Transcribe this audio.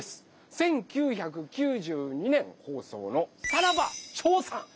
１９９２年放送の「さらばチョーさん」。